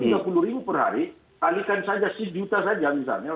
kalau tiga puluh per hari kalikan saja satu juta saja misalnya